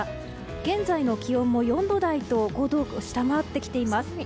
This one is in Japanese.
現在の気温も４度台と５度を下回ってきています。